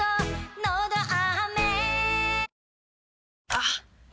あっ！